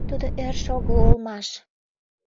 Тудо ӧрш огыл улмаш